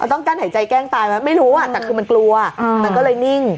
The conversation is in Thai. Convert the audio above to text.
ต้องกั้นหายใจแกล้งตายไหมไม่รู้อ่ะแต่คือมันกลัวมันก็เลยนิ่ง